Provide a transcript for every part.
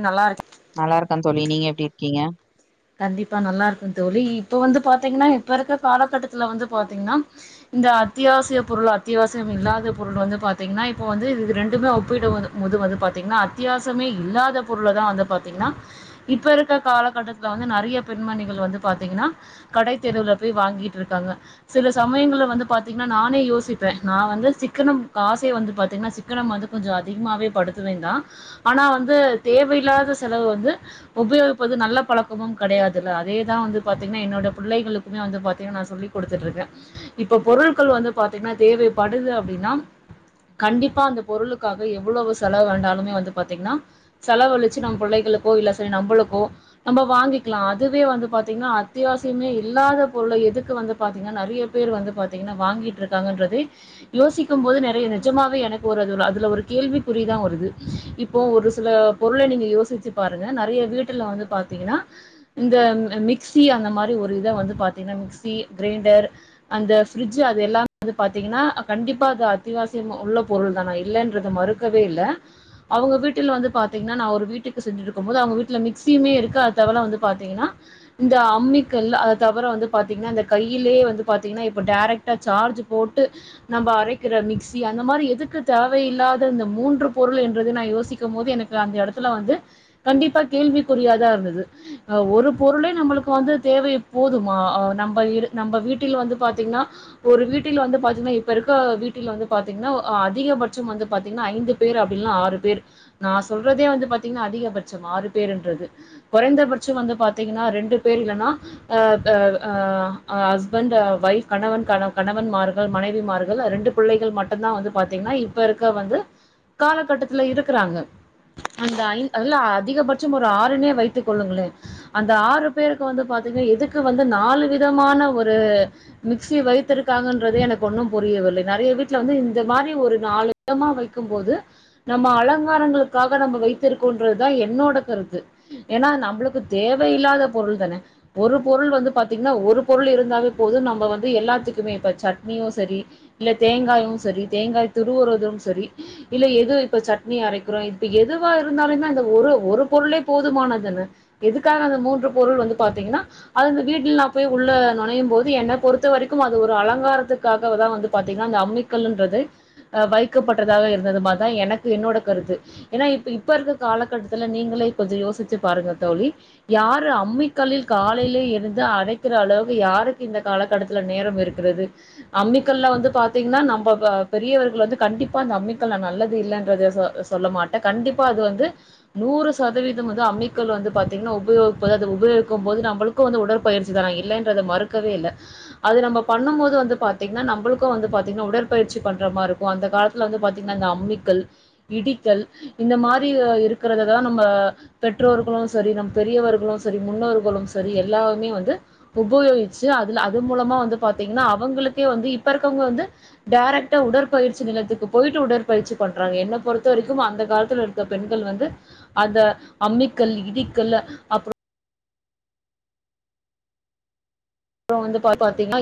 [inaudible] நல்லா இருக் நல்லா இருக்க தோழி நீங்க எப்டி இருக்கீங்க கண்டிப்பா நல்லா இருக்க தோழி இப்ப வந்து பாத்தீங்கன்னா இப்ப இருக்க காலகட்டத்துல வந்து பாத்தீங்கன்னா இந்த அத்தியாவிசிய பொருள அத்தியாவிசிய இல்லாத பொருள் வந்து பாத்தீங்கன்னா இப்போ வந்து இது இது ரெண்டுமே ஒப்பிட வந் மு இது வந்து பாத்தீங்கன்னா அத்தியாசமே இல்லாத பொருள் தா வந்து பாத்தீங்கன்னா இப்ப இருக்க காலகட்டத் துல வந்து நறைய பெண்மணிகள் வந்து பாத்தீங்கன்னா கடை தெருவுல பேய் வாங்கிட்டு இருக்காங்க சில சமயங்கள் இதுல வந்து பாத்தீங்கன்னா நானே யோசிப்பே நா வந்து சிக்கனம் காசே வந்து பாத்தீங்கன்னா சிக்கன வந்து கொஞ்சோ அதிகமா வே படுத்துவே தா ஆனா வந்து தேவையில்லாத செலவு வந்து உபயோகிப்பது நல்ல பழக் கமு கெடையாதுல்ல அதே தா வந்து பாத்தீங்கன்னா என்னோட புள்ளைகளுக்குமே வந்து பாத்தீங்கன்னா நா சொல்லி குடுத்துட்டு இருக்கே இப் ப பொருட்கள் வந்து பாத்தீங்கன்னா தேவைப்படுது அப்டின்னா கண்டிப்பா அந்த பொருளுக்காக எவ்வளவு செலவு வேண்டாலுமே வந்து பாத்தீங்கன்னா செலவழிச்சு நம் புள்ளைக க்கோ இல்ல சரி நம்பளுக்கோ நம்ப வாங்கிக்லா அதுவே வந்து பாத்தீங்கன்னா அத்தியாவசியமே இல்லாத பொருள எதுக்கு வந்து பாத்தீங்கன்னா நறைய பே ரு வந்து பாத்தீங்கன்னா வாங்கிட்டு இருக்காங்கன்றதே யோசிக்கு போது நெறைய நிஜமாவே எனக்கு ஒரு அதுல அதுல ஒரு கேள் கேள்விகுறிதா வருது இப்போ ஒரு சில பொருள நீங்க யோசிச்சு பாருங்க நறைய வீட்டில வந்து பாத் தீங்கன்னா இந்த மிக்சி அந்த மாரி ஒரு இத வந்து பாத்தீங்கன்னா மிக்சி கிரைண்டர் அந்த ஃப்ரிட்ஜ் அது எல்லா வந்து பாத்தீங்கன்னா கண்டிப்பா அது அத்தியாவசிய உள்ள பொருள் தா நா இல்லன்றது மறு க்கவே இல்ல அவுங்க வீட்டில் வந்து பாத்தீங்கன்னா நா ஒரு வீட்டுக்கு சென்று இருக்க போது அவுங்க வீட்டுல மிக்சியுமே இருக் கு அது தவள வந்து பாத்தீங்ன்னா இந்த அம்மிக்கல்லு அது தவர வந்து பாத்தீங்ன்னா இந்த கையிலே வந்து பாத்தீங்ன்னா இப்ப டைரக்டா சார்ஜ் போட்டு நம்ம அரைக்கிற மிக்சி அந்த மாதிரி எதுக்கு தேவையில்லாத மூன்று பொருள் என்றதும் நான் யோசிக்கும் போது எனக்கு அந்த எடத்துல வந்து கண்டிப்பா கேள்விக்குறியாதா இருந்தது ஒரு பொருளே நம்மளுக்கு வந்து தேவை போதுமா நம்ம நம்ம வீட்டில் வந்து பாத் பாத்தீங்கன்னா ஒரு வீட்டில் வந்து பாத்தீங்கன்னா இப்ப இருக்க வீட்டில் வந்து பாத்தீங்கன்னா அதிகபட்சம் வந்து பாத்தீங்கன்னா ஐ ஐந்து பேர் அப்படி இல்லன்னா ஆறு பேர் நான் சொல்றதே வந்து பாத்தீங்கன்னா அதிகபட்சம் ஆறு பேருன்றது குறைந்தபட்சம் வந்து பாத்தீங்கன்னா ரெண்டு பேர் இல்லனா ஹஸ்பண்ட் கணவ கணவன் மார்கள் மனைவி மார்கள் ரெண்டு பிள்ளைகள் மட்டும்தான் வந்து பாத்தீங்கன்னா இப்ப இருக்க வந்து காலகட்டத்துல இருக்கிறாங்க அந்த ஐ அதுல அதிகபட்சம் ஒரு ஆறுனே வைத் கொள்ளுங்களே அந்த ஆறு பேருக்கு வந்து பாத்தீங்கன்னா எதுக்கு வந்து நாலு விதமான ஒரு மிக்சி வைத்திருக்காங்கன்றதே எனக்கு ஒன்னும் புரியவில்லை நறைய வீட்டுல வந்து இந்த மாதிரி ஒரு நாலு விதமா வைக்க இருக்கும் போது நம்ம அலங்காரங்களுக்காக நம்ம வைத்திருக்கோன்றதுதான் என்னோட கருத்து ஏன்னா நம்மளுக்கு தேவையில்லாத பொருள் தானே ஒரு பொருள் வந்து பாத்தீங்கன்னா ஒரு பொருள் இருந்தாவே போதும் நம்ம வந்து எல்லாத்துக்குமே இப்ப சட்னியும் சரி இல்ல தேங்காயும் சரி தேங்காய் துருவுறவதும் சரி இல்ல எது இப்ப சட்னி அரைக்கிறோம் இப்ப எதுவா இருந்தாலும் தான் இந்த ஒரு ஒரு பொருளே போதுமான எதுக்காக அந்த மூன்று பொருள் வந்து பாத்தீங்கன்னா அது வீட்டில் நான் போய் உள்ள நுழையும் போது என்ன பொறுத்த வரைக்கும் அது ஒரு அலங்காரத்துக்கான் வந்து பாத்தீங்கன்னா அந்த அம்மிக் கல்ன்றது வைக்கப்பட்டதாக இருந்தது மாரி தான் எனக்கு என்னோட கருத்து ஏன்னா இப்ப இப்ப இருக்க காலகட்டத்தில நீங்களே கொஞ்சம் யோசித்து பாருங்க தோழி யாரு அம்மி கல்லில் காலையில இருந்து அறைக்கிற அளவு யாருக்கு இந்த கா காலக்கடத்தில் நேரம் இருக்கிறது அம்மிகல்லே வந்து பாத்தீங்கன்னா நம்ம பெரியவர்கள் வந்து கண்டிப்பா அம்மிக்கல் நல்லது இல்லதென்று சொல்ல மாட்டே கண்டிப்பா அது வந்து நூறு சதவீதம் அம்மிக்கல் வந்து பாத்தீங்கன்னா உபயோகிப்பது உபயோகிக்கும் போது நம்மளுக்கும் வந்து உடற்பயிற்சி தானே இல்லை என்றத மறுக்கவே இல்ல அது நம்ம பண்ணும் போது வந்து பாத்தீங்கன்னா நம்மளுக்கு வந்து பாத்தீங்கன்னா உடற்பயிற்சி பண்ற மாதிர இருக்கு அந்த காலத் வந்து பாத்தீங்கன்னா இந்த அம்மிக்கல் இடிக்கல் இந்த மாரி இருக்கிறததான் நம்ம பெற்றோர்களும் சரி நம் பெரியவர்களும் சரி முன்னோர்களும் சரி எல்லாமே வந்து உபயோகிச்சி அது மூலமா வந்து பாத்தீங்கன்னா அவங்களுக்கே வந்து இப்ப இருக்கவங்க வந்து டைரக்டர் உடற்பயிற்சி நிலைத்துக்கு இப்ப போயிட்டு உடற்பயிற்சி பண்றாங்க என்னை பொறுத்த வரைக்கும் அந்த காலத்துல இருக்கிற பெண்கள் வந்து அந்த அம்மிக்கல் இடிக்கல் அப்புறம் அப்புறம் வந்து பா பாத்தீங்கன்னா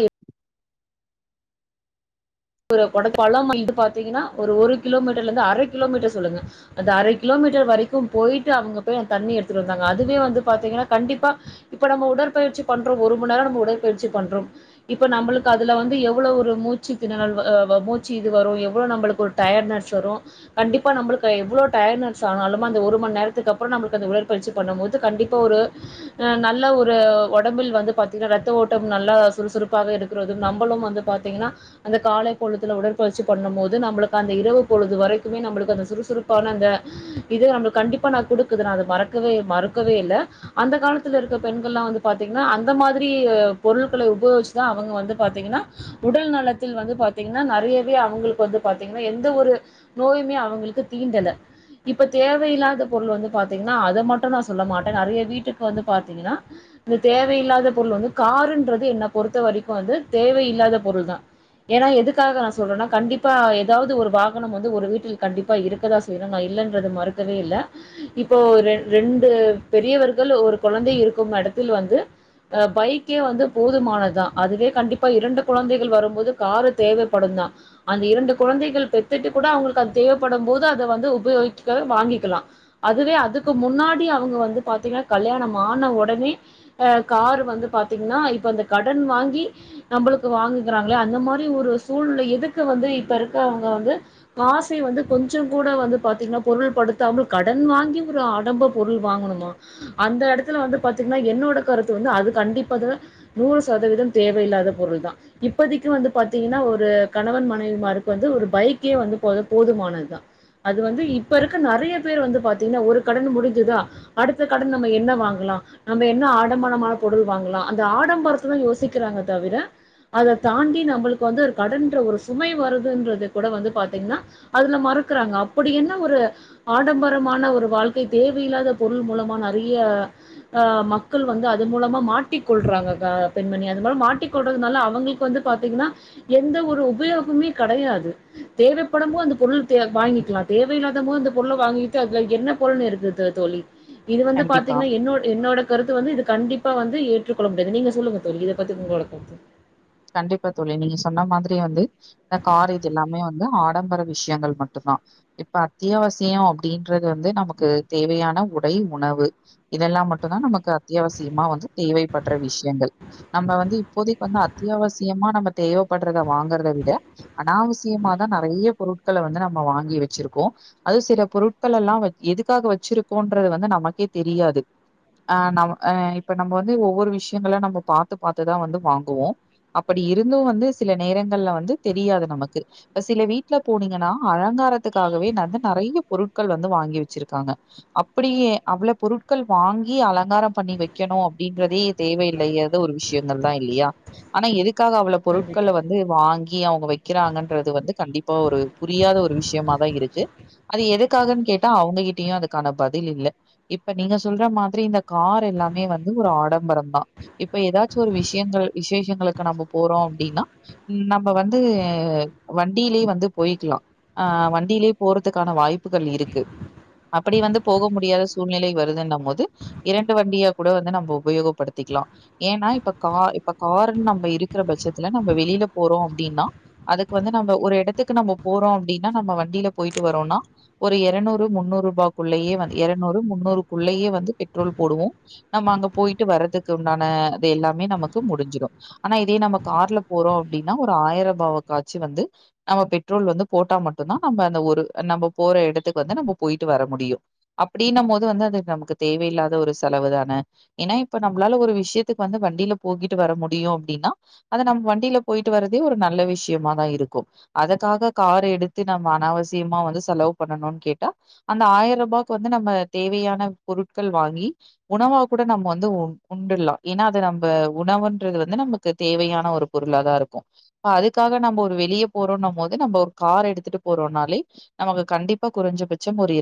ஒரு கொடைப்பால இது பாத்தீங்கன்னா ஒரு கிலோமீட்டர்லே இருந்து அரை கிலோமீட்டர் சொல்லுங்க அந்த அரை கிலோமீ மீட்டர் வரைக்கு போய்ட்டு அவங்க போய் தண்ணி எடுத்துட்டு வந்தாங்க அதுவே வந்து பாத்தீங்கன்னா கண்டிப்பா இப்ப நம்ம உடற்பய பயிற்சி பண்றோ ஒரு மண் நரோ உடற்பயிற்சி பண்றோ இப்ப நம்மளுக்கு அதுல வந்து எவ்ளவு ஒரு மூச்சு தினறல் அ மூச்சு இது வரு எவ்ளோ நம்மளுக்கு ஒரு டயர்ட்னஸ் வரு கண்டிப்பா நம்மளுக்கு எவ்ளோ டயர்ட் னஸ் ஆனாலு அந்த ஒரு மண் நரத்துக்கு அப்றோ நம்ளுக்கு அந்த உயற்பயிற்சி பண்ணும்போது கண்டிப்பா ஒரு நல்ல ஒரு அ ஒடம்பில் வந்து பாத்தீங்கனா ரத்த ஓட்டம் நல்லா சுறுசுறுப்பாக இருக்கறதும் நம்மளும் வந்து பாத்தீங்கனா அந்த காலை பொழுதுல உடற்பயிற்சி பண்ணும் போது நம்மளுக்கு அந்த இரவு பொழுது வரைக்குமே நம்மளுக்கு அந்த சுறுசுறுப்பான அந்த இது நம்மளுக்கு கண்டிப்பா நா குடுக்குது நா அது மறக்கவே மறுக்கவே இல்ல அந்த காலத்துல இருக்க பெண்கல்லா வந்து பாத்தீங்கனா அந்த மாதிரி பொருட்களை உபயோகிச்சுதா அவங்க வந்து பாத்தீங்கனா உடல் நலத் தில் வந்து பாத்தீங்கனா நெறையவே அவங்களுக்கு வந்து பாத்தீங்கன்னா எந்த ஒரு நோயுமே அவங்களுக்கு தீண்டல இப்ப தேவையில்லாத பொருள் வந்து பாத்தீங்கன்னா அத மட்டு நா சொல்ல மாட்ட நெறைய வீட்டுக்கு வந்து பாத்தீங்கன்னா இந்த தேவையில்லாத பொருள் வந்து காருன்றது என்ன பொறுத்த வரைக்கு வந்து தேவையில்லாத பொருள் தா ஏனா எதுக்காக நா சொல்றனா கண்டிப்பா ஏதாவது ஒரு வாகனம் வந்து ஒரு வீட்டில் கண்டிப்பா இருக்கதா செய்னு நா இல்லன்றது மறுக்கவே இல்ல இப்போ ரென் ரெண்டு பெரியவர்கள் ஒரு கொழந்தை இருக்கும் எடத் தில் வந்து பைக்கே வந்து போதுமானதா அதுவே கண்டிப்பா இரண்டு குழந்தைகள் வரும்போது காரு தேவைப்படும் தா அந்த இரண்டு குழந்தைகள் பெத்துட்டு கூட அவங்ளுக்கு அது தேவைப்படும் போது அத வந்து உப யோகிக்க வாங்கிக்கலா அதுவே அதுக்கு முன்னாடி அவங்க வந்து பாத்தீங்கனா கல்யாணம் ஆன ஒடனே அ காரு வந்து பாத்தீங்கன்னா இப்ப அந்த கடன் வாங்கி நம்மளுக்கு வாங்குகிறாங்களே அந்த மாரி ஒரு சூழ்நிலை எதுக்கு வந்து இப்ப இருக்க அவங்க வந்து காசை வந்து கொஞ்சோ கூட வந்து பாத்தீங்கனா பொருள் படுத்தாமல் கடன் வாங்கி ஒரு ஆடம்ப பொருள் வாங்கணுமா அந்த எடத்துல வந்து பாத்தீங்க ரா என்னோட கருத்து வந்து அது கண்டிப்பா அத நூறு சதவீதம் தேவையில்லாத பொருள் தா இப்பதை க்கு வந்து பாத்தீங்கன்னா ஒரு கணவன் மனைவிமாருக்கு வந்து ஒரு பைக்கே வந்து போ போதுமானதா அது வந்து இப்ப இருக்க நறைய பேர் வந்து பாத்தீங்கனா ஒரு கடன் முடிஞ்சதா அடுத்த கடன் நம்ம என்ன வாங்கலா நம்ம என்ன ஆடம்பரமான பொருள் வாங்கலா அந்த ஆடம்பரத்த தா யோசிக்கிறாங்க தவிர அத தாண்டி நம்மளுக்கு வந்து ஒரு கடன்ற ஒரு சுமை வருதுன்றது கூட வந்து பாத்தீங்கனா அதுல மறுக்குறாங்க அப்படி என்ன ஒரு ஆடம்பரமான ஒரு வாழ்க்கை தேவையில்லாத பொருள் மூலமா நறைய அ மக்கள் வந்து அது மூலமா மாட்டி கொள்றாங்ககா பெண்மணி அது மூலம் மாட்டி‌ கொள்றதுனால அவ்ங்களுக் கு வந்து பாத்தீங்கனா எந்த ஒரு உபயோகமே கடையாது தேவைப்படமோ அந்த பொருள் த வாங்கி க்கலா தேவையில்லாத போது அந்த பொருள வாங்கிட்டு அதுல என்ன பொருன்னு இருக்கு தோழி இது வந்து கண்டிப்பா பாத்தீங்கனா என்னோடு என்னோட கருத்து வந்து இது கண்டிப்பா வந்து ஏற்றுக்கொள்ள முடியாது நீங்க சொல்லுங்க தோழி இத பத்தி உங்களோட கருத்து கண்டிப்பா தோழி நீங்க சொன்ன மாதிரி வந்து இந்த கார் இது எல்லாமே வந்து ஆடம்பர விஷ்யங்கள் மட்டுந்தா இப்ப அத்தியாவசியோ அப்டின்றது வந்து நமக்கு தேவையான உடை உணவு இதெல்லா மட்டுதா நமக்கு அத்தியாவசியமா வந்து தேவைப்பட்ற விஷ்யங்கள் நம்ம வந்து இப்போதைக்கு வந்து அத்தியாவசியமா நம்ம தேவப்படுறத வாங்கறத விட அனாவசியமா தா நறைய பொருட்கள வந்து நம் ம வாங்கி வச்சிருக்கோ அது சில பொருட்கள் எல்லா எதுக்காக வச்சிருக்கோன்றது வந்து நமக்கே தெரியாது ஆ ந இப்ப நம்ம வந்து ஒவ்வொரு விஷ்யங்களா நம்ம பாத்து பாத்துதா வந்து வாங்குவோ அப்படி இருந்து வந்து சில நேரங்கள்ல வந்து தெரியாது நமக்கு இப்ப சில வீட்ல போனீங்கனா அத அலங்காரத்துக்காகவே வந்து நறைய பொருள்கள் வந்து வாங்கி வச்சிருக்காங்க அப்டியே அவ்ள பொருட்கள் வாங்கி அலங்காரம் பண்ணி வைக்கணு அப்டின்றதே தேவையில்லையாதொ ஒர் விஷ்யங்கள் தா இல்லையா ஆனா எதுக்காக அவ்ளோ கண்டிப்பா பொருட்கள்ல வந்து வாங் கி அவ்ங்க வைக்கிறாங்கன்றது வந்து கண்டிப்பா ஒரு புரியாத ஒரு விஷ்யமா தா இருக்கு அது எதுக்காக கேட்டா அவ்ங்ககிட்டயு அதுக்கான பதில் இல்ல இப்ப நீங்க சொல்ற மாதிரி இந்த கார் எல்லாமே வந்து ஒரு ஆ டம்பரதா இப்ப ஏதாச்சு ஒரு விஷயங்கள் விசேஷங்களுக்கு நம்ம போறோ அப்டின்னா நம்ம வந்து வண்டியிலே வந்து போயிக்கலா அ வண்டியிலே போறதுக்கான வாய்ப்புகள் இருக்கு அப்படி வந்து போக முடியாத சூழ்நிலை வருதுன்னு போது இரண்டு வண்டியா கூட வந்து நம்ம உபயோகப்படுத்தி க்லா ஏனா இப்ப கா இப்ப காருன் நம்ம இருக்கற பட்சத்துல நம்ம வெளில போறோ அப்டின்னா அதுக்கு வந்து நம்ம ஒரு எடத்துக்கு நம்ம போறோ அப்படின்னா நம்ம வண்டில போய்ட்டு வரோன்னா ஒரு இருநூறு முன்னூறுபாக்குள்ளயே வந்து எறநூறு முன்னூறு நூறுக்குள்ளேயே வந்து பெட்ரோல் போடுவோ நம்ம அங்க போயிட்டு வர்றதுக்கு உண்டான அது எல்லாமே நமக்கு முடிஞ்சிடு ஆனா இதே நம்ம கார்ல போறோ அப்டின்னா ஒரு ஆயிரரூபாவ காச்சி வந்து நம்ம பெட்ரோல் ட்ரொல் வந்து போட்டா மட்டுதா நம் அந்த ஒரு நம்ம போற இடத்துக்கு வந்து நம்ம போயிட்டு வர முடியு அப்டி நம்ம போது வந்து அதுக்கு நமக்கு தேவையில்லாத ஒரு செலவு தானே ஏன்னா இப்ப நம்மளால ஒரு விஷயத்துக்கு வந்து வண்டியில போகிட்டு வர முடியும் அப்டின்னா அது நம்ம வண்டியில போயிட்டு வரதே ஒரு நல்ல விஷயமாதா இருக்கு அத கா கார எடுத்து நம்ம அனாவசியமா வந்து செலவு பண்ணணுனு கேட்டா அந்த ஆயிரரூபாக்கு வந்து நம்ம தேவையான பொருட்கள் வாங்கி உணவா கூட நம்ம வந்து உண்டுலா ஏன்னா அது நம் ம உணவுன்றது வந்து நமக்கு தேவையான ஒரு பொருளதா இருக்கு பஅதுக்காக நம்ம ஒரு வெளியே போறோன் போது நம்ம ஒரு கார் எடுத்துட்டு போறோனாலே நமக்கு கண்டிப்பா குறைஞ்சபட்சம் ஒரு இரண்